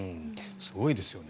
すごいですよね。